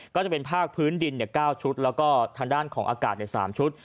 ก็จะเป็นภาคพื้นดิน๙ชุดแล้วก็ทางด้านของอากาศใน๓ชุด